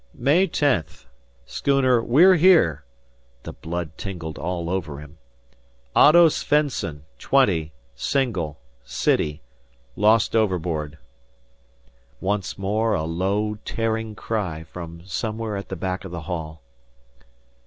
"May 10th. Schooner We're Here [the blood tingled all over him] Otto Svendson, 20, single, City, lost overboard." Once more a low, tearing cry from somewhere at the back of the hall.